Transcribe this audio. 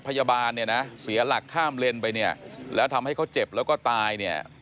พยาบาลเนี่ยนะเสียหลักข้ามเลนไปเนี่ยแล้วทำให้เขาเจ็บแล้วก็ตายเนี่ย